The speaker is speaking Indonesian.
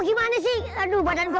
lu bagaimana sih